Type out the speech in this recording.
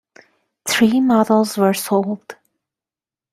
Three models were sold.